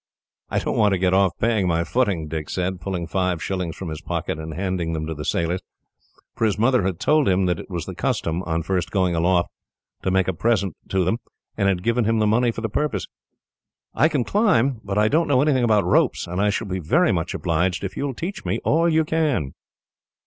"I don't want to get off paying my footing," Dick said, pulling five shillings from his pocket and handing them to the sailors; for his mother had told him that it was the custom, on first going aloft, to make a present to them, and had given him the money for the purpose. "I can climb, but I don't know anything about ropes, and I shall be very much obliged if you will teach me all you can."